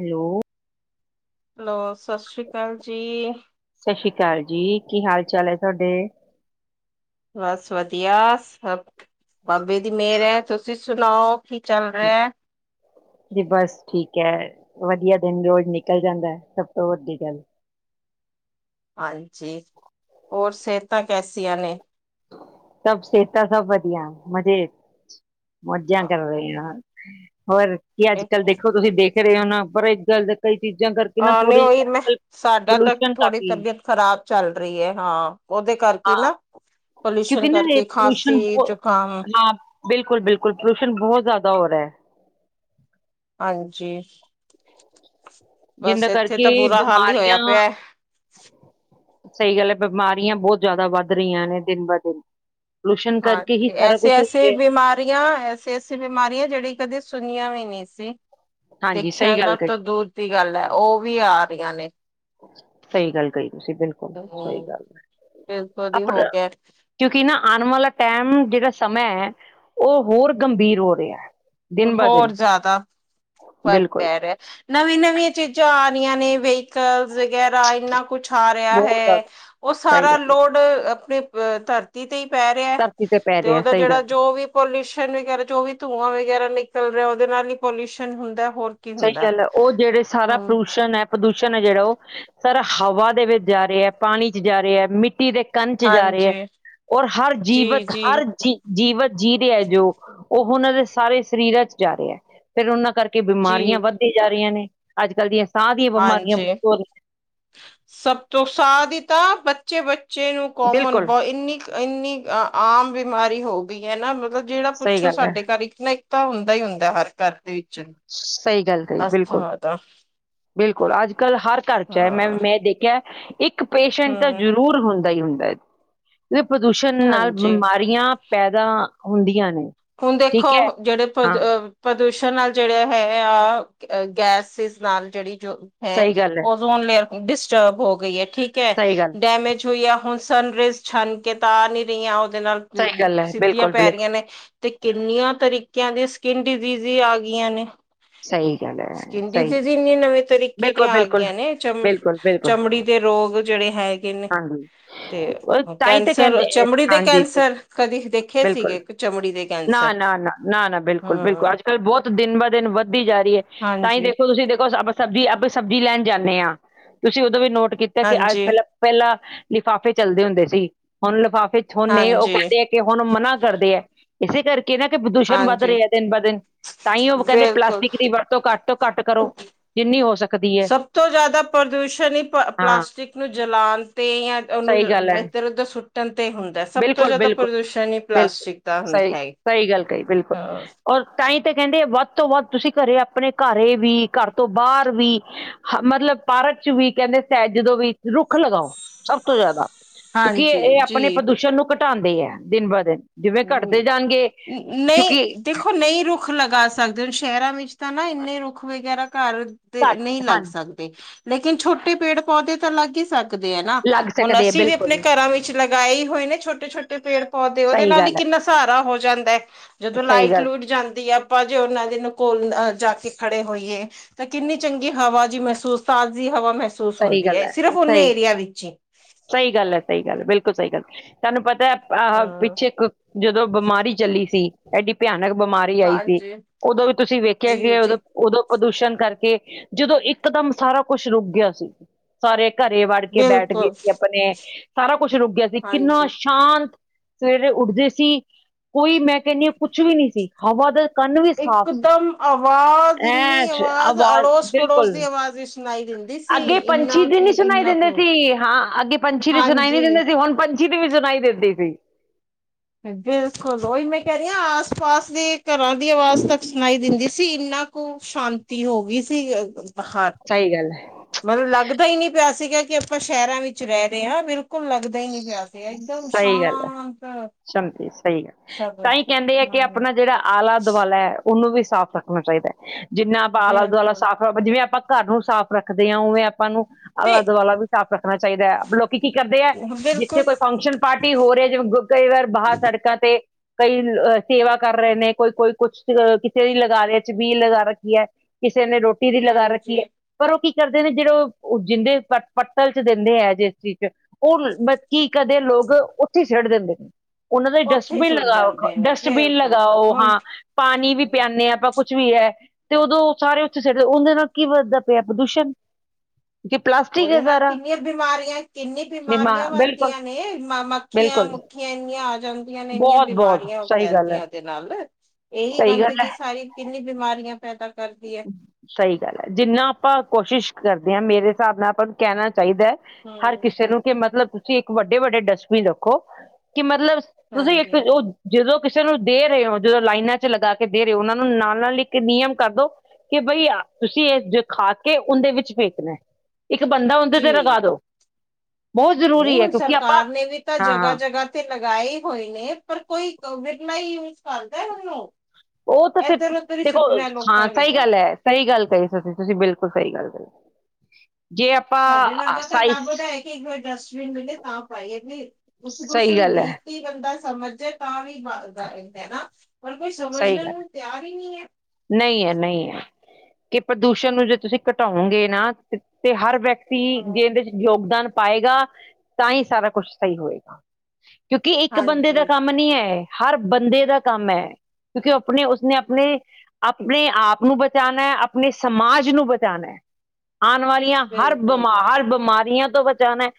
Hello. Hello, ਸਤਿ ਸ਼੍ਰੀ ਅਕਾਲ ਜੀ। ਸਤਿ ਸ੍ਰੀ ਅਕਾਲ ਜੀ। ਕੀ ਹਾਲ ਚਾਲ ਏ ਤਾਡੇ? ਬਸ ਵਧੀਆ ਸਭ ਬਾਬੇ ਦੀ ਮੇਰ ਐ। ਤੁਸੀ ਸੁਨਾਓ ਕੀ ਚੱਲ ਰੇਆ ਐ? ਜੀ ਬਸ ਠੀਕ ਐ। ਵਧੀਆ ਦਿਨ ਰੋਜ ਨਿਕਲ ਜਾਂਦਾ ਐ, ਸਭ ਤੋਂ ਵੱਡੀ ਗੱਲ। ਹਾਂਜੀ, ਹੋਰ ਸੇਹਤਾ ਕੈਸੀਆਂ ਨੇ? ਸਭ ਸੇਹਤਾਂ ਸਭ ਵਧੀਆ ਮਜੇ ਚ ਮੌਜਾਂ ਕਰ ਰੇਆਂ। ਹੋਰ ਕੀ ਅੱਜ ਕੱਲ ਦੇਖੋ ਤੁਸੀ ਦੇਖ ਰੇ ਓਨਾ ਪਰ ਏਕ ਗੱਲ ਦਾ ਕਈ ਚੀਜਾਂ ਗਰ ਹਾਂ ਨੀ ਓਈ ਮੈਂ ਸਾਡਾ ਤਾਂ ਥੋੜੀ ਕਾਫੀ, ਤਬੀਅਤ ਖਰਾਬ ਚੱਲ ਰੀ ਐ। ਹਾਂ, ਓਦੇ ਕਰਕੇ ਹਾਂ ਨਾ ਪੋਲਿਊਸ਼ਨ ਕਿਉਂਕਿ ਨਾ ਏ ਕਰਕੇ ਖਾਂਸੀ, ਪੋਲਿਊਸ਼ਨ ਬੋ ਜ਼ੁਕਾਮ ਹਾਂ ਬਿਲਕੁਲ ਬਿਲਕੁਲ ਪੋਲਿੂਸ਼ਨ ਬੋਹਤ ਜਾਦਾ ਹੋ ਰੇਯਾ ਐ। ਹਾਂਜੀ। ਬਸ ਜਿੰਦੇ ਇੱਥੇ ਕਰਕੇ ਤਾਂ ਬੁਰਾ ਹਾਲ ਹੀ ਹੋਇਆ ਬਿਮਾਰੀਆਂ ਪਿਆ। ਸਈ ਗੱਲ ਐ, ਬਮਾਰੀਆਂ ਬੋਤ ਜਾਦਾ ਵੱਧ ਰੀਆਂ ਨੇ ਦਿਨ ਬ ਦਿਨ। ਪੋਲੂਸ਼ਨ ਕਰਕੇ ਹਾਂਜੀ ਹੀ ਸਾਰਾ ਐਸੇ ਕੁਛ ਹੋ ਐਸੇ ਰਿਹਾ। ਬਿਮਾਰੀਆਂ ਐ ਤੇ ਐਸੀ ਬਿਮਾਰੀਆਂ ਜੇੜੀ ਕਦੇ ਸੁਨੀਆਂ ਵੀ ਨੀ ਸੀ, ਹਾਂਜੀ ਦੇਖਿਆਂ ਸਹੀ ਦਾ ਗੱਲ ਕਹੀ ਤਾਂ ਦੂਰ ਦੀ ਗੱਲ ਆ। ਓ ਵੀ ਆ ਰੀਆਂ ਨੇ। ਸਈ ਗੱਲ ਕਈ ਤੁਸੀ ਬਿਲਕੁਲ ਸਈ ਹਮ ਗੱਲ ਬਿਲਕੁਲ ਹੀ ਹੋ ਅਪਣਾ ਗਿਆ ਕਿਉਂਕਿ ਨਾ ਆਨ ਵਾਲਾ ਟੈਮ ਜੇੜਾ ਸਮੇ ਹੈ, ਓ ਹੋਰ ਗੰਭੀਰ ਹੋ ਰੇਆ ਐ। ਹੋਰ ਜਾਦਾ ਫਰਕ ਬਿਲਕੁਲ ਪੈ ਰੇਆ ਐ। ਨਵੀਂ ਨਵੀ ਚੀਜਾਂ ਆ ਰੀਆਂ ਨੇ ਵਹੀਕਲਸ ਵਗੈਰਾ ਇੰਨਾ ਕੁਛ ਆ ਰੇਆ ਬਹੁਤ ਹੈ। ਜ਼ਿਆਦਾ ਓ ਸਹੀ ਸਾਰਾ ਗੱਲ ਹੈ ਲੋੜ ਅਪਨੇ ਧਰਤੀ ਤੇ ਤੀ ਤੇ ਈ ਪੈ ਰੇਆ ਐ। ਧਰਤੀ ਪੈ ਤੇ ਰਿਹਾ ਓਦਾ ਸਹੀ ਜੇੜਾ ਗੱਲ ਜੋ ਵੀ ਪੋਲਿਊਸ਼ਨ ਵਗੈਰਾ ਜੋ ਵੀ ਧੂੰਆ ਵਗੈਰਾ ਨਿਕਲ ਰੇਆ ਓਦੇ ਨਾਲ ਹੀ ਪੋਲਿਊਸ਼ਨ ਹੁੰਦਾ ਹੋਰ ਕੀ ਸਈ ਹੁੰਦਾ ਗੱਲ ਐ, ਓ ਜੇੜੇ ਸਾਰਾ ਹਮ ਪ੍ਰਦੂਸ਼ਨ ਐ ਪ੍ਰਦੂਸ਼ਣ ਐ ਜੇੜਾ ਓ ਸਾਰਾ ਹਵਾ ਦੇ ਵਿੱਚ ਜਾ ਰੇਆ ਐ ਪਾਣੀ ਚ ਜਾ ਰੇਆ ਹੈ ਮਿੱਟੀ ਦੇ ਤਨ ਚ ਜਾ ਰੇਆ ਐ। ਹਾਂਜੀ ਔਰ ਹਰ ਜੀ ਜੀਵਤ ਜੀ ਹਰ ਜੀ ਜੀਵਤ ਜੀ ਰੇਆ ਐ ਜੋ ਓਹ ਓਨਾਂ ਦੇ ਸਾਰੇ ਸਰੀਰਾਂ ਚ ਜਾ ਰੇਆ ਐ ਫੇਰ ਓਨਾਂ ਕਰਕੇ ਜੀ ਬਮਾਰੀਆਂ ਵੱਧਦੀ ਜਾ ਰੀਆਂ ਨੇ ਅੱਜ ਕੱਲ੍ਹ ਦੀਆਂ ਸਾਹ ਦੀਆਂ ਬਿਮਾਰੀਆਂ ਹਾਂਜੀ, ਬਹੁਤ ਹੋ ਰਹੀਆਂ ਸਭ ਤੋਂ ਸਾ ਦੀ ਤਾਂ ਬ ਬੱਚੇ ਬੱਚੇ ਨੂੰ ਕੋਮਨ ਬਿਲਕੁਲ ਬ ਇੰਨੀ ਇੰਨੀ ਅ ਆਮ ਬਿਮਾਰੀ ਹੋ ਗਈ ਐ ਨਾ ਮਤਲਬ ਜੇੜਾ ਸਹੀ ਪੁੱਛੋ ਗੱਲ ਹੈ ਸਾਡੇ ਘਰ ਇੱਕ ਨਾ ਇੱਕ ਤਾਂ ਹੁੰਦਾ ਈ ਹੁੰਦਾ ਹਰ ਘਰ ਦੇ ਵਿੱਚ। ਸਈ ਗੱਲ ਕਈ ਬਿਲਕੁਲ ਅਸਥਮਾ ਦਾ ਬਿਲਕੁਲ ਅੱਜ ਕੱਲ ਹਰ ਘਰ ਚ ਐ। ਮੈਂ ਹਾਂ ਮੈਂ ਦੇਖੈਐ ਇੱਕ ਇੱਕ ਪੇਸ਼ੈਂਟ ਤਾਂ ਹਮ ਜਰੂਰ ਹੁੰਦਾ ਈ ਹੁੰਦਾ ਐ। ਵੇ ਪ੍ਰਦੂਸ਼ਣ ਨਾਲ ਹਾਂਜੀ ਬਮਾਰੀਆਂ ਪੈਦਾ ਹੁੰਦੀਆਂ ਨੇ। ਹੁਨ ਠੀਕ ਦੇਖੋ, ਹੈ ਜੇੜੇ ਪ੍ਰਦ ਹਾਂ ਪ੍ਰਦੂਸ਼ਣ ਨਾਲ ਜੇੜੇ ਹੈ ਆ ਗੈਸਿਸ ਨਾਲ ਜਿਹੜੀ ਜੋ ਹੈ, ਸਹੀ ਗੱਲ ਓਜ਼ੋਨ ਲੇਅਰ ਡਿਸਟਰਬ ਹੋ ਗਈ ਹੈ ਠੀਕ ਸਹੀ ਗੱਲ ਡੈਮੇਜ ਹੋਈ ਆ ਹੁਣ ਸਨ ਰੇਜ਼ ਛਨ ਕੇ ਤਾਂ ਆ ਨਹੀਂ ਰਹੀਆਂ ਉਹਦੇ ਨਾਲ ਸਹੀ ਗੱਲ ਹੈ ਸਿੱਧੀਆਂ ਬਿਲਕੁਲ ਪੈ ਬਿਲਕੁਲ ਰਹੀਆਂ ਨੇ ਤੇ ਕਿੰਨੀਆਂ ਤਰੀਕਿਆਂ ਦੀ ਸਕਿਨ ਡਿਜ਼਼ੀਜ਼ੀ ਆ ਗਈਆਂ ਨੇ ਸਹੀ ਗੱਲ ਹੈ ਸਕਿਨ ਸਹੀ ਡਿਜ਼ੀਜ਼ੀ ਇੰਨਨੀ ਨਵੇਂ ਤਰੀਕੇ ਬਿਲਕੁਲ ਦੀਆਂ ਆ ਬਿਲਕੁਲ ਗਈਆਂ ਨੇ ਚਮ ਬਿਲਕੁਲ ਬਿਲਕੁਲ ਚਮੜੀ ਦੇ ਰੋਗ ਜਿਹੜੇ ਹੈਗੇ ਨੇ ਹਾਂਜੀ ਤੇ ਉਹ ਤਾਂ ਹੀ ਤਾਂ ਕਹਿੰਦੇ ਕੈਂਸਰ ਚਮੜੀ ਦੇ ਹਾਂਜੀ ਕੈਂਸਰ ਸਰ, ਕਦੇ ਦੇਖੇ ਬਿਲਕੁਲ ਸੀਗੇ ਚਮੜੀ ਦੇ ਨਾ ਕੈਂਸਰ। ਨਾ ਨਾ ਨਾ ਨਾ ਬਿਲਕੁਲ, ਬਿਲਕੁਲ ਹੂੰ ਅੱਜ- ਕੱਲ੍ਹ ਬਹੁਤ ਦਿਨ ਬ ਦਿਨ ਵਧ ਜਾ ਰਹੀ ਐ ਤਾਂ ਈ ਹਾਂਜੀ। ਦੇਖੋ ਤੁਸੀਂ ਦੇਖੋ ਸਬਜ਼ੀ ਆਪਾਂ ਸਬਜ਼ੀ ਲੈਣ ਜਾਂਨੇ ਆ ਤੁਸੀਂ ਉਦੋਂ ਵੀ ਨੋਟ ਕੀਤਾ ਕਿ ਅ ਹਾਂਜੀ, ਪਹਿਲਾਂ ਪਹਿਲਾਂ ਲਿਫਾਫੇ ਚੱਲਦੇ ਹੁੰਦੇ ਸੀ, ਹੁਣ ਲਿਫਾਫੇ ਚ ਹੁੇ ਉਹ ਹਾਂਜੀ, ਕਹਿੰਦੇ ਹੁਣ ਮਨਾ ਕਰਦੇ ਐ, ਇਸੇ ਕਰਕੇ ਕਹਿੰਦਾ ਕਿ ਪ੍ਰਦੂਸ਼ਣ ਵੱਧ ਹਾਂਜੀ ਰਿਹਾ ਦਿਨ ਬ ਦਿਨ ਤਾਂ ਈ ਉਹ ਕਹਿੰਦੇ ਬਿਲਕੁਲ ਪਲਾਸਟਿਕ ਦੀ ਵਰਤੋਂ ਘੱਟ ਤੋਂ ਘੱਟ ਕਰੋ ਜਿੰਨੀ ਹੋ ਸਕਦੀ ਹੈ ਸਭ ਤੋਂ ਜ਼ਿਆਦਾ ਪ੍ਰਦੂਸ਼ਣ ਈ ਹਾਂ ਪਲਾਸਟਿਕ ਨੂੰ ਜਲਾਣ ਤੇ ਜਾਂ ਉਹਨੂੰ ਸਹੀ ਗੱਲ ਹੈ ਇੱਧਰ- ਉਧਰ ਸੁੱਟਣ ਤੇ ਹੁੰਦਾ, ਸਭ ਤੋਂ ਬਿਲਕੁਲ ਜਿਆਦਾ ਬਿਲਕੁਲ ਪ੍ਰਦੂਸ਼ਣ ਈ ਬਿਲਕੁਲ ਪਲਾਸਟਿਕ ਦਾ ਹੁੰ ਸਹੀ ਹੈ। ਸਹੀ ਗੱਲ ਕਹੀ ਬਿਲਕੁਲ ਹਾਂ ਔਰ ਤਾਈ ਤਾਂ ਕਹਿੰਦੇ ਵੱਧ ਤੋਂ ਵੱਧ ਤੁਸੀਂ ਘਰੇ ਆਪਣੇ, ਘਰੇ ਵੀ, ਘਰ ਤੋਂ ਬਾਹਰ ਵੀ ਹ ਮਤਲਬ ਭਾਰਤ ਚ ਵੀ ਕਹਿੰਦੇ ਸਹਿ ਜਦੋਂ ਵੀ ਰੁੱਖ ਲਗਾਓ ਸਭ ਤੋਂ ਜ਼ਿਆਦਾ ਕਿਉਂਕਿ ਹਾਂਜੀ ਇਹ ਜੀ ਆਪਣੇ ਪ੍ਰਦੂਸ਼ਣ ਨੂੰ ਘਟਾਦੇ ਐ, ਦਿਨ ਬ ਦਿਨ ਜਿਵੇਂ ਘਟਦੇ ਜਾਣਗੇ ਨਹੀਂ ਕਿਉਂਕਿ ਦੇਖੋ ਨਹੀਂ ਰੁਕ ਰੁੱਖ ਲਗਾ ਸਕਦੇ ਹ ਸ਼ਹਿਰਾਂ ਵਿੱਚ ਤਾਂ ਨਾ ਇੰਨੇ ਰੁੱਖ ਵਗੈਰਾ ਘਰ ਦੇ ਘੱਟ ਨਹੀਂ ਲੱਗ ਹਾਂਜੀ ਸਕਦੇ ਲੇਕਿਨ ਛੋਟੇ ਪੇੜ- ਪੌਦੇ ਤਾਂ ਲੱਗ ਹੀ ਸਰ ਨਾ ਲੱਗ ਹੁਣ ਸਕਦੇ ਆ ਅਸੀਂ ਵੀ ਆਪਣੇ ਬਿਲਕੁਲ ਘਰਾਂ ਵਿੱਚ ਲਗਾਏ ਹੋਏ ਨੇ ਛੋਟੇ- ਛੋਟੇ ਪੇੜ -ਪੌਦੇ ਉਹਦੇ ਸਹੀ ਨਾਲ ਈ ਗੱਲ ਹੈ ਕਿੰਨਾ ਸਹਾਰਾ ਹੋ ਜਾਂਦਾ ਐ, ਜਦੋਂ ਸਹੀ ਲਾਈਟ ਗੱਲ ਲੁੱਈਟ ਜਾਂਦੀ ਐ ਆਪਾਂ ਜੇ ਉਹਨਾਂ ਦੇ ਕੌਲ ਜਾ ਕੇ ਖੜੇ ਹੋਈਏ ਤਾਂ ਕਿੰਨੀ ਚੰਗੀ ਹਵਾ ਜੀ ਮਹਿਸੂਸ ਤਾਜ਼ੀ ਹਵਾ ਮਹਿਸੂਸ ਸਹੀ ਹੁੰਦੀ ਗੱਲ ਐ, ਹੈ ਸਿਰਫ ਉਹਨੇ ਸਹੀ ਏਰੀਆ ਵਿੱਚ ਈ ਸਹੀ ਗੱਲ ਐ, ਸਹੀ ਗੱਲ ਐ, ਬਿਲਕੁਲ ਸਹੀ ਗੱਲ ਤੁਹਾਨੂੰ ਪਤਾ ਐ ਅਹ ਹਾਂ ਪਿੱਛੇ ਜਦੋਂ ਬਿਮਾਰੀ ਚੱਲੀ ਸੀ। ਐਡੀ ਭਿਆਨਕ ਬਿਮਾਰੀ ਆਈ ਸੀ ਹਾਂਜੀ ਉਦੋਂ ਵੀ ਤੁਸੀਂ ਵੇਖਿਆ ਜੀ ਕਿ ਉਦੋਂ ਜੀ ਉਦੋਂ ਪ੍ਰਦੂਸ਼ਣ ਕਰਕੇ ਜਦੋਂ ਇਕਦਮ ਸਾਰਾ ਕੁਛ ਰੁਕ ਗਿਆ ਸੀ। ਸਾਰੇ ਘਰੇ ਵੜ ਕੇ ਬੈਠ ਗਏ ਬਿਲਕੁਲ ਸੀ ਆਪਣੇ, ਸਾਰਾ ਕੁਛ ਰੁਕ ਗਿਆ ਸੀ ਕਿੰਨਾ ਹਾਂਜੀ ਸ਼ਾਂਤ ਸਵੇਰੇ ਉੱਠਦੇ ਸੀ, ਕੋਈ ਮੈਂ ਕਹਿੰਨੀ ਆ ਕੁਛ ਵੀ ਨੀ ਸੀ। ਹਵਾ ਦਾ ਕੰਨ ਵੀ ਸਾਫ਼ ਸੀ ਇੱਕਦਮ ਆਵਾਜ਼ ਐ ਇੰਨੀ ਆਵਾਜ਼ ਅੜੋਸ -ਪੜੋਸ ਬਿਲਕੁਲ ਦੀ ਆਵਾਜ਼ ਸੁਣਾਈ ਦਿੰ ਅੱਗੇ ਪੰਛੀ ਦੀ ਨੀ ਸੁਣਾਈ ਦਿੰਦੇ ਸੀ ਹਾਂ ਅੱਗੇ ਪੰਛੀ ਦੀ ਸੁਣਾਈ ਨੀ ਦਿੰਦੇ ਹਾਂਜੀ ਸੀ ਹੁਣ ਪੰ ੀ ਦੀ ਵੀ ਸੁਣਾਈ ਦਿੰਦੀ ਸੀ। ਬਿਲਕੁਲ ਉਹੀ ਮੈਂ ਕਹਿ ਰਹੀ ਆ, ਆਸ -ਪਾਸ ਦੇ ਘਰਾਂ ਦੀ ਆਵਾਜ਼ ਤੱਕ ਸੁਣਾਈ ਦਿੰਦੀ ਸੀ ਇੰਨਾ ਖ ਸ਼ਾਂਤੀ ਹੋ ਗਈ ਸੀ ਬਾਹਰ ਸਹੀ ਗੱਲ ਐ। ਮਤਲਬ ਲੱਗਦਾ ਈ ਨ ਪਿਆ ਸੀਗਾ ਕਿ ਆਪਾਂ ਸ਼ਹਿਰਾਂ ਵਿੱਚ ਰਹਿ ਰਹੇ ਹਾਂ ਮੇਰੇ ਬਿਲਕੁਲ ਲੱਗਦਾ ਈ ਨੀ ਪਿਆ ਸੀ ਇੱਕਦਮ ਹੈ ਸ਼ਾਂਤ ਚੱਲੋ ਸਹੀ ਗੱਲ ਸਭ ਤਾਂ ਈ ਕਹਿੰਦੇ ਐ ਕਿ ਹਾਂ ਆਪਣਾ ਜਿਹੜਾ ਆਲਾ -ਦੁਆਲਾ। ਉਹਨੂੰ ਵੀ ਸਾਫ਼ ਰੱਖਣਾ ਚਾਹੀਦਾ, ਜਿੰਨਾ ਆਪਾਂ ਆਲਾ- ਦੁਆਲਾ ਬਿਲਕੁਲ ਸਾਫ਼ ਜਿਵੇਂ ਆਪਾਂ ਘਰ ਨੂੰ ਸਾਫ਼ ਰੱਖਦੇ ਆ, ਉਵੇਂ ਆਪਾਂ ਨੂੰ ਆਲਾ ਤੇ -ਦੁਆਲਾ ਵੀ ਸਾਫ਼ ਰੱਖਣਾ ਚਾਹੀਦਾ ਐ, ਲੋਕ ਕੀ ਕੀ ਕਰਦੇ ਹੈ ਜਿੱਥੇ ਬਿਲਕੁਲ ਕੋਈ ਫੰਕਸ਼ਨ ਪਾਰਟੀ ਹੋ ਰਿਹਾ ਜਿਵੇਂ ਕਈ ਵਾਰ ਬਾਹਰ ਸੜਕਾਂ ਤੇ ਕਈ ਅਹ ਸੇਵਾ ਕਰ ਰਹੇ ਨੇ ਕੋਈ ਕੋਈ ਕੁਛ ਅ ਕਿਸੇ ਦੀ ਲਗਾ ਰਿਹਾ ਛਬੀਲ ਲਗਾ ਰੱਖੀ ਹੈ ਕਿਸੇ ਨੇ ਰੋਟੀ ਦੀ ਲਗਾ ਰੱਖੀ ਹਾਂਜੀ ਹੈ ਪਰ ਉਹ ਕੀ ਕਰਦੇ ਨੇ ਜਿਹੜੇ ਜਿੰਦੇ ਪੱਤਲ ਚ ਦਿੰਦੇ ਹੈ ਜਿਸ ਚੀਜ਼ ਚ ਉਹ ਕੀ ਕਦੇ ਲੋਕ ਉੱਥੇ ਸਿਟ ਦਿੰਦੇ ਨੇ ਉਹਨਾਂ ਦਾ ਉੱਥੇ ਹੀ ਡਸਟਬਿਨ ਸੁੱਟ ਲਗਾਓ ਜਾਂਦੇ ਨੇ ਡਸਟਬਿਨ ਬਿਲਕੁਲ ਲਗਾਓ ਹੁਣ ਹਾਂ ਪਾਣੀ ਵੀ ਪਿਆਨੇ ਹਾਂ ਆਪਾਂ ਕੁਛ ਵੀ ਹੈ ਤੇ ਉਦੋਂ ਸਾਰੇ ਉੱਥੇ ਸਟਦੇ ਉਹਦੇ ਨਾਲ ਕੀ ਵੱਧਦਾ ਪਿਆ ਪ੍ਰਦੂਸ਼ਣ ਕਿ ਪਲਾਸਟਿਕ ਉਹਦੇ ਹੈ ਨਾਲ ਸਾਰਾ ਕਿੰਨੀਆਂ ਬਿਮਾਰੀਆਂ ਕਿੰਨੀ ਬਿਮਾ ਬਿਮਾਰੀਆਂ ਬਿਲਕੁਲ ਵੱਧਦੀ ਨੇ ਮ ਮੱਖੀਆਂ ਬਿਲਕੁਲ ਮੁੱਖੀਆਂ ਇੰਨੀਆਂ ਆ ਜਾਂਦੀਆਂ ਨੇ ਇੰਨੀਆਂ ਬਹੁਤ ਬਹੁਤ ਬਿਮਾਰੀਆਂ ਉਹ ਸਹੀ ਗੱਲ ਹੈ ਫੈਲਦਿਆਂ ਉਦੇ ਨਾਲ ਇਹੀ ਸਹੀ ਗੱਲ ਹੈ ਗੰਦਗੀ ਸਾਰੀ ਕਿੰਨੀ ਬਿਮਾਰੀਆਂ ਪੈਦਾ ਕਰਦੀ ਹੈ ਸਹੀ ਗੱਲ ਹੈ ਜਿੰਨਾ ਆਪਾਂ ਕੋਸ਼ਿਸ਼ ਕਰਦੇ ਹਾਂ ਮੇਰੇ ਹਿਸਾਬ ਨਾਲ ਆਪਾਂ ਨੂੰ ਕਹਿਣਾ ਚਾਹੀਦਾ ਹਰ ਹਮ ਕਿਸੇ ਨੂੰ ਕਿ ਮਤਲਬ ਤੁਸੀਂ ਇੱਕ ਵੱਡੇ ਵੱਡੇ ਡਸਟਬਿਨ ਰੱਖੋ ਕਿ ਮਤਲਬ ਤੁਸੀਂ ਇੱਕ ਹਾਂਜੀ ਉਹ ਜਦੋਂ ਕਿਸੇ ਨੂੰ ਦੇ ਰਹੇ ਹੋ ਜਦੋਂ ਲਾਈਨਾਂ 'ਚ ਲਗਾ ਕੇ ਦੇ ਰਹੇ ਹੋ ਉਹਨਾਂ ਨੂੰ ਨਾਲ- ਨਾਲ ਹੀ ਇੱਕ ਨਿਯਮ ਕਰ ਦੋ। ਕਿ ਬਈ ਤੁਸੀਂ ਇਹ ਜੋ ਖਾ ਕੇ ਉਹਦੇ ਵਿੱਚ ਫੇਕਣਾ। ਇੱਕ ਬੰਦਾ ਉਹਦੇ ਤੇ ਲਗਾ ਜੀ ਦੋ। ਬਹੁਤ ਨਹੀਂ ਜ਼ਰੂਰੀ ਹੈ ਹੁਣ ਕਿਉਂਕਿ ਆਪਾਂ ਸਰਕਾਰ ਨੇ ਵੀ ਤਾਂ ਹਾਂ ਜਗ੍ਹਾ- ਹਾਂ ਜਗ੍ਹਾ। ਤੇ ਲਗਾਏ ਹੋਏ ਨੇ ਪਰ ਕੋਈ ਵਿਰਲਾ ਹੀ ਯੂਜ ਕਰਦਾ ਉਹਨੂੰ। ਉਹ ਤਾਂ ਫਿਰ ਇੱਧਰ ਉੱਧਰ ਹੀ ਦੇਖੋ ਸੁੱਟਣਾ ਹਾਂ ਲੋਕਾਂ ਨੇ ਸਹੀ ਤਾਂ ਗੱਲ ਹੈ। ਸਹੀ ਗੱਲ ਕਹੀ ਤੁਸੀਂ ਤੁਸੀਂ ਬਿਲਕੁਲ ਸਹੀ ਗੱਲ ਕਹੀ ਜੇ। ਤੁਹਾਡੇ ਆਪਾਂ ਵਰਗਾ ਤਾਂ ਸਹੀ ਲੱਭਦਾ ਹੈ ਕਿ ਇੱਕ ਵਾਰ ਡਸਟਬਿਨ ਮਿਲੇ ਤਾਂ ਪਾਈਏ ਨੀ ਉੱਥੇ ਸਹੀ ਉਸਨੂੰ। ਗੱਲ ਹੈ ਕੀ ਬੰਦਾ ਸਮਝ ਜਾਏ ਤਾਂ ਵੀ ਬਣਦਾ ਹੈ ਨਾ ਪਰ ਕੋਈ ਸਹੀ ਸਮਝਣ ਨੂੰ ਗੱਲ ਤਿਆਰ ਹੀ ਨੀ ਹੈ। ਨਹੀਂ ਹੈ, ਨਹੀਂ ਹੈ, ਕਿ ਪ੍ਰਦੂਸ਼ਣ ਨੂੰ ਜੇ ਤੁਸੀਂ ਘਟਾਓਗੇ ਨਾ ਤੇ ਹਰ ਵਿਅਕਤੀ। ਹਾਂ ਵਿਅਕਤੀ ਇਹਦੇ 'ਚ ਯੋਗਦਾਨ ਪਾਏਗਾ ਤਾਂ ਹੀ ਸਾਰਾ ਕੁਛ ਸਹੀ ਹੋਏਗਾ। ਕਿਉਂਕਿ ਇੱਕ ਬੰਦੇ ਦਾ ਹਾਂਜੀ ਕੰਮ ਨੀ ਹੈ ਇਹ ਹਰ ਬੰਦੇ ਦਾ ਕੰਮ ਹੈ ਕਿਉਂਕਿ ਆਪਣੇ ਉਸਨੇ ਆਪਣੇ। ਆਪਣੇ ਆਪ ਨੂੰ ਬਚਾਉਣਾ, ਆਪਣੇ ਸਮਾਜ ਨੂੰ ਬਚਾਉਣਾ, ਆਉਣ ਵਾਲੀਆਂ। ਹਰ ਬਿਲਕੁਲ ਜੀ ਬਿਮਾਰ ਬਿਮਾਰੀਆਂ ਤੋਂ ਬਚਾਉਣਾ।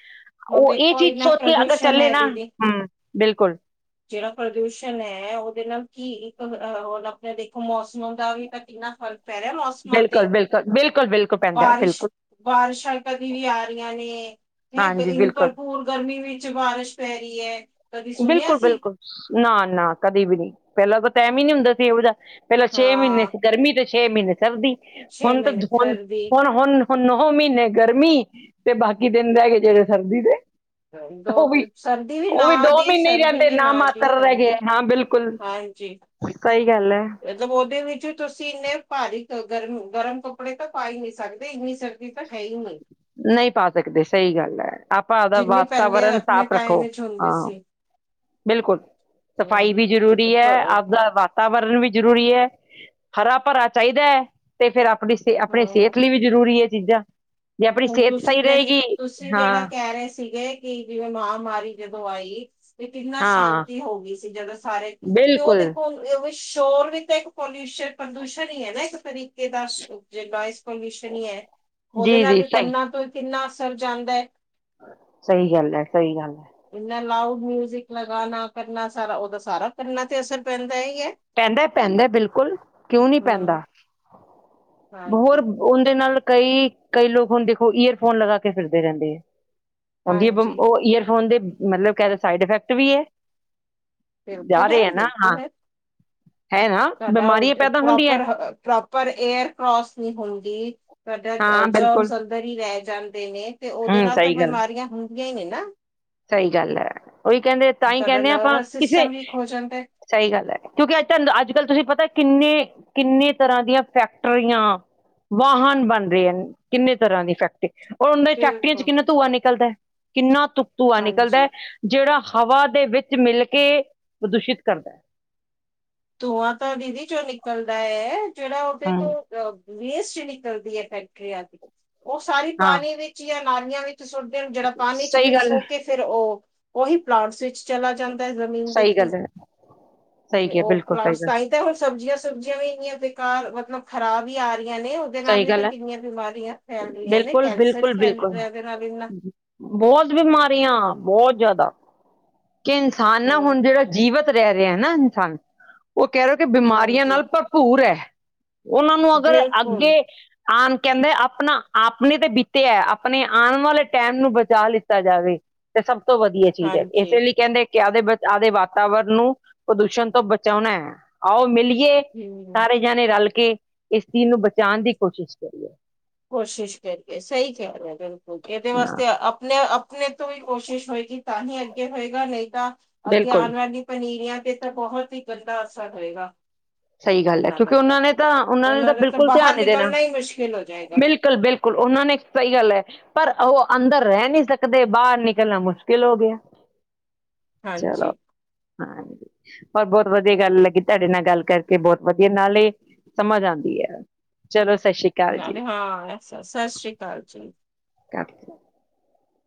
ਹੁਣ ਉਹ ਇਹ ਦੇਖੋ ਚੀਜ਼ ਇੰਨਾ ਸੋਚ ਕੇ ਅਗਰ ਪ੍ਰਦੂਸ਼ਣ ਚੱਲੇ ਹੈ ਨਾ। ਦੀਦੀ ਹੂੰ, ਬਿਲਕੁਲ ਜਿਹੜਾ ਪ੍ਰਦੂਸ਼ਣ ਹੈ ਉਹਦੇ ਨਾਲ ਕੀ ਇੱਕ ਹੁਣ ਆਪਣੇ ਦੇਖੋ ਮੌਸਮ ਦਾ ਵੀ ਤਾਂ ਕਿੰਨਾ ਫ਼ਰਕ। ਪੈ ਰਿਹਾ ਮੌਸਮ। ਬਿਲਕੁਲ, ਬਿਲਕੁਲ, ਬਿਲਕੁਲ, ਬਿਲਕੁਲ ਪੈਂਦਾ ਬਾਰਿਸ਼ ਬਿਲਕੁਲ। ਬਾਰਿਸ਼ਾਂ ਕਦੀ ਵੀ ਆ ਰਹੀਆਂ ਨੇ ਹੈ ਹਾਂਜੀ ਇੰਨੀ ਬਿਲਕੁਲ ਭਰਪੂਰ ਗਰਮੀ ਵਿੱਚ ਬਾਰਿਸ਼। ਪੈ ਰਹੀ ਏ ਕਦੀ ਸੁਣਿਆ। ਬਿਲਕੁਲ ਸੀ ਬਿਲਕੁਲ ਨਾ, ਨਾ ਕਦੇ ਵੀ ਨੀ ਪਹਿਲਾਂ ਤਾਂ ਟਾਈਮ ਹੀ ਨੀ ਹੁੰਦਾ ਸੀ ਇਹੋ ਜਿਹਾ ਪਹਿਲਾਂ ਛੇ ਹਾਂ ਮਹੀਨੇ ਸੀ। ਗਰਮੀ ਤੇ ਛੇ ਮਹੀਨੇ ਸਰਦੀ ਛੇ ਹੁਣ ਤਾਂ ਮਹੀਨੇ ਹੁਣ ਸਰਦੀ ਹੁਣ ਹੁਣ। ਹੁਣ ਨੌ ਮਹੀਨੇ ਗਰਮੀ ਤੇ ਬਾਕੀ ਦਿਨ ਰਹਿ ਗਏ ਜਿਹੜੇ ਸਰਦੀ ਦੇ। ਦੋ ਤਿੰਨ ਸਰਦੀ ਵੀ ਨਾ ਦੀ। ਸਰਦੀ ਜਾਂਦੇ ਵੀ ਨਾ ਦੀ ਮਾਤਰ ਰਹਿ ਗਏ ਹਾਂਜੀ ਹਾਂ ਬਿਲਕੁਲ ਸਹੀ ਗੱਲ ਹੈ। ਏਦਾਂ ਬੋਲਦੇ ਉਹਦੇ ਵਿੱਚ ਤੁਸੀਂ ਇੰਨੇ ਭਾਰੀ ਗਰਮ ਗਰਮ ਕੱਪੜੇ ਤਾਂ ਪਾ ਹੀ ਨਹੀਂ ਸਕਦੇ ਇੰਨੀ ਸਰਦੀ ਸਰਦੀ ਤਾਂ ਹੈ ਹੀ ਨਹੀਂ। ਨਹੀਂ ਪਾ ਸਕਦੇ ਸਹੀ ਗੱਲ ਹੈ ਆਪਾਂ ਆਪਦਾ ਜਿੰਨੇ ਪਹਿਲੇ ਵਾਤਾਵਰਨ ਆਪਣੇ ਸਾਫ਼ ਟਾਈਮ ਰੱਖੋ ਵਿੱਚ ਹੁੰਦੀ ਹਾਂ। ਸੀ ਬਿਲਕੁਲ! ਹਾਂ ਸਫਾਈ ਵੀ ਜ਼ਰੂਰੀ ਹੈ ਆਪਦਾ। ਵਾਤਾਵਰਨ ਵੀ ਜ਼ਰੂਰੀ ਹੈ ਹਰਾ- ਭਰਾ ਚਾਹੀਦਾ ਹੈ ਤੇ ਫਿਰ ਆਪਣੀ ਆਪਣੇ ਹਾਂ ਸਿਹਤ ਲਈ ਵੀ। ਜ਼ਰੂਰੀ ਹੈ ਚੀਜ਼ਾਂ। ਜੇ ਆਪਣੀ ਹੁਣ ਸਿਹਤ ਤੁਸੀਂ ਸਹੀ ਦਸ, ਰਹੇਗੀ ਤੁਸੀਂ ਜਿਹੜਾ ਹਾਂ ਕਹਿ ਰਹੇ ਸੀਗੇ। ਕਿ ਜਿਵੇਂ ਮਹਾਂਮਾਰੀ ਜਦੋਂ ਆਈ। ਵੀ ਕਿੰਨਾ ਹਾਂ ਸ਼ਾਂਤੀ ਹੋ ਗਈ ਸੀ ਜਦੋਂ ਸਾਰੇ, ਤੇ ਉਹ ਬਿਲਕੁਲ ਦੇਖੋ। ਉਹ ਸ਼ੋਰ ਵੀ ਤਾਂ ਇੱਕ ਪੋਲਿਊਸ਼ਨ, ਪ੍ਰਦੂਸ਼ਣ ਹੀ ਹੈ ਨਾ ਇੱਕ ਤਰੀਕੇ ਦਾ। ਜੇ ਨੋਇਸ ਪੋਲਿਊਸ਼ਨ ਹੀ ਹੈ, ਉਹਦੇ ਜੀ ਨਾਲ ਜੀ ਵੀ ਸਹੀ ਕੰਨਾਂ ਤੋਂ ਕਿੰਨਾ ਅਸਰ ਜਾਂਦਾ ਸਹੀ ਗੱਲ ਹੈ। ਸਹੀ ਗੱਲ ਹੈ। ਇੰਨਾ ਲਾਊਡ ਮਿਊਜਿਕ ਲਗਾਣਾ ਕਰਨਾ ਸਾਰਾ, ਉਹਦਾ ਸਾਰਾ ਕੰਨਾਂ ਤੇ ਅਸਰ ਪੈਂਦਾ ਹੀ ਹੈ। ਪੈਂਦਾ, ਪੈਂਦਾ ਬਿਲਕੁਲ ਕਿਉਂ ਨੀ ਪੈਂਦਾ ਹਮ ਹੋਰ। ਹਾਂਜੀ ਔਂਦੇ ਨਾਲ ਕਈ, ਕਈ ਲੋਕ ਹੁਣ ਦੇਖੋ ਈਅਰਫੋਨ ਲਗਾ ਕੇ ਫਿਰਦੇ ਰਹਿੰਦੇ ਹੈ। ਔਂਦੀ ਹਾਂਜੀ ਉਹ ਈਅਰਫੋਨ ਦੇ ਮਤਲਬ ਕੀਹਦੇ ਸਾਈਡ ਇਫੈਕਟ ਵੀ ਹੈ। ਜਾ ਬਿਲਕੁਲ ਹੈ! ਰਹੇ ਨਾ ਬਿਲਕੁਲ ਹਾਂ ਹੈ! ਹੈ ਨਾ ਤੁਹਾਡਾ ਉਹ ਬਿਮਾਰੀਆਂ ਪੈਦਾ ਹੁੰਦੀਆਂ ਪ੍ਰੋਪਰ ਅ ਪ੍ਰੋਪਰ। ਪ੍ਰੋਪਰ ਏਅਰ ਕਰੋਸ ਨੀ ਹੁੰਦੀ, ਤੁਹਾਡਾ ਜ ਹਾਂ ਬਿਲਕੁਲ ਜਰਮਸ ਅੰਦਰ ਹੀ ਰਹਿ ਜਾਂਦੇ ਨੇ। ਤੇ ਉਹਦੇ ਹੂੰ ਨਾਲ ਤਾਂ ਸਹੀ ਗੱਲ ਹੈ। ਬਿਮਾਰੀਆਂ ਹੁੰਦੀਆਂ ਹੀ ਨਾ। ਸਹੀ ਗੱਲ ਹੈ! ਉਹੀ ਕਹਿੰਦੇ ਤਾਂਹੀ ਤੁਹਾਡਾ ਕਹਿੰਦੇ ਆਂ ਆਪਾਂ, ਨਰਵਸ ਕਿਸੇ। ਸਿਸਟਮ ਵੀਕ ਹੋ ਜਾਂਦਾ ਸਹੀ ਗੱਲ ਹੈ। ਕਿਉਂਕਿ ਅੱਜ ਤੁਹਾਨੂੰ ਅੱਜ- ਕੱਲ ਪਤਾ ਕਿੰਨੇ। ਕਿੰਨੇ ਤਰ੍ਹਾਂ ਦੀਆਂ ਫੈਕਟਰੀਆਂ। ਵਾਹਨ ਬਣ ਰਹੇ ਨੇ, ਕਿੰਨੇ ਤਰ੍ਹਾਂ ਦੀ ਫੈਕਟਰੀ। ਹੁਣ ਉਹਨਾਂ ਫੈਕਟਰੀਆਂ 'ਚ ਬਿਲਕੁਲ ਕਿੰਨਾ ਧੂੰਆ ਨਿਕਲਦਾ, ਕਿੰਨਾ ਧੂ ਧੂੰਆ ਨਿਕਲਦਾ। ਹਾਂਜੀ ਜੇੜਾ ਹਵਾ ਦੇ ਵਿੱਚ ਮਿਲ ਕੇ, ਪ੍ਰਦੂਸ਼ਿਤ ਕਰਦਾ। ਧੂੰਆਂ ਤਾਂ ਦੀਦੀ ਜੋ ਨਿਕਲਦਾ ਹੈ, ਜੇੜਾ ਉਹਦੇ ਤੋ ਹੂੰ ਅ ਵੇਸਟ ਨਿਕਲਦੀ ਐ ਫੈਕਟਰੀਆਂ ਦੀ, ਉਹ ਸਾਰੀ ਹਾਂ ਪਾਣੀ ਵਿੱਚ, ਯਾ ਨਾਲੀਆਂ ਵਿੱ 'ਚ ਸੁੱਟਦੇਣ ਜੇੜਾ ਪਾਣੀ 'ਚ ਸਹੀ ਮਿਕਸ ਗੱਲ ਹੈ ਹੋ ਕੇ ਫੇਰ ਓ ਉਹੀ ਪਲਾਂਟਸ ਵਿੱਚ ਚਲਾ ਜਾਂਦ ਦੇ ਜ਼ਮੀਨ ਦੇ ਸਹੀ ਥਰੂ। ਗੱਲ ਹੈ ਸਹੀ ਤੇ ਕਿਹਾ ਓ ਬਿਲਕੁਲ ਸਹੀ ਗੱਲ ਇਕ ਤਾਂ ਹੁਣ ਸਬਜ਼ੀਆਂ-ਸੁਬਜ਼ੀਆਂ ਵੀ ਇੰਨੀਆਂ ਬੇਕਾਰ, ਮਤਲਬ ਖ਼ਰਾਬ ਈ ਆ ਰਹੀਆਂ ਨੇ। ਏਦੇ ਦੇ ਨਾਲ ਸਹੀ ਵੀ ਤਾਂ ਗੱਲ ਹੈ ਕਿੰਨੀਆਂ ਬਿਮਾਰੀਆਂ ਫੈਲ ਰਹੀਆਂ ਨੇ। ਬਿਲਕੁਲ ਕੈਂਸਰ ਹੀ ਫੈਲ ਰਿਹਾ ਇਹਦੇ ਨਾਲ ਇਨਾ। ਬੌਤ ਬਿਮਾਰੀਆਂ ਬੌਤ ਜਾਦਾ, ਕਿ ਇਨਸਾਨ ਨਾ ਹਾਂ ਹੁਣ ਜੇੜਾ ਜੀਵਤ ਜੀਵਿਤ ਰੈ ਰਿਹਾ ਨਾ ਇਨਸਾਨ, ਉਹ ਕੈ ਰਿਹਾ ਕਿ ਬਿਮਾਰੀਆਂ ਨਾਲ ਹਾਂਜੀ ਭਰਪੂਰ ਹੈ। ਉਹਨਾਂ ਨੂੰ ਅਗਰ ਅੱਗੇ ਬਿਲਕੁਲ ਆਣ ਕੈੰਦਾ, ਆਪਣਾ ਆਪਣੇ ਤੇ ਬੀਤੇ ਐ, ਆਪਣੇ ਆਣ ਵਾਲੇ ਟਾਈਮ ਨੂੰ ਬਚਾ ਲਏ ਕੀਤਾ ਜਾਵੇ ਤੇ ਸਭ ਤੋਂ ਵਧੀਆ ਚੀਜ਼ ਐ। ਹਾਂਜੀ ਇਸੇ ਲਈ ਕੈੰਦੇ ਕਿ ਆਵਦੇ, ਆਵਦੇ ਵਾਤਾਵਰਨ ਨੂੰ ਪ੍ਰਦੂਸ਼ਣ ਤੋਂ ਬਚੋਣਾ ਹੈ। ਆਓ ਮਿਲੀਏ ਹੇਮੀ ਹੋਰ ਜਾਨੇ ਰਲ ਕੇ ਸੀ ਨੂੰ ਬਚਾਨ ਦੀ ਕੋਸ਼ਿਸ਼ ਕਰੀਏ। ਕੋਸ਼ਿਸ਼ ਕਰੀਏ, ਸਹੀ ਕਿਆ ਬਿਲਕੁਲ। ਏਹਦੇ ਹਾਂ ਵਾਸਤੇ ਆਪਣਾ ਅਪ ਆਪਣੇ ਤੋਂ ਈ ਕੋਸ਼ਿਸ਼ ਹੋਏਗੀ ਤਾਂ ਹੀ ਅੱਗੇ ਹੋਏਗਾ, ਨਹੀਂ ਤਾਂ ਅੱਗੇ ਬਿਲਕੁਲ ਆਣ ਵਾਲੀ ਪਨੀਰੀਆਂ ਤੇ ਬਹੁਤ ਹੀ ਗੰਦਾ ਅਸਰ ਹੋਏਗਾ। ਸਹੀ ਗੱਲ ਹੈ, ਕਿਉਂਕਿ ਉਹਨਾਂ ਨੇ ਤਾਂ, ਉਹਨਾਂ ਨੇ ਤਾਂ ਦਾ ਬਿਲਕੁਲ ਧਿਆਨ ਬਾਹਰ ਨੀ ਦੇਣਾ। ਨਿਕਲਣਾ ਹੀ ਮੁਸ਼ਕਿਲ ਹੋ ਜਾਏਗਾ ਬਿਲਕੁਲ-ਬਿਲਕੁਲ, ਉਹਨਾਂ ਨੇ ਸਹੀ ਗੱਲ ਹੈ। ਪਰ ਉਹ ਅੰਦਰ ਰੈਅ ਨੀ ਸਕਦੇ, ਬਾਰ ਨਿਕਲਣਾ ਮੁਸ਼ਕਿਲ ਹੋ ਗਿਆ। ਚਲੋ ਹਾਂਜੀ ਹਾਂਜੀ, ਪਰ ਬੌਤ ਵਧੀਆ ਗੱਲ ਲੱਗੀ, ਤਾਡੇ ਨਾਲ ਗੱਲ ਕਰ ਕੇ ਬੌਤ ਵਧੀਆ, ਨਾਲੇ ਸਮਝ ਆਉਂਦੀ ਐ। ਚਲੋ, ਸ਼ਸ਼ੀ ਨਾਲੇ ਹਾਂ, ਸਸ਼੍ਰੀ ਕਾਲ ਜੀ। ਰੱਖ ਦੋ।